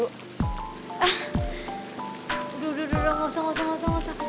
eh udah udah udah gausah gausah gausah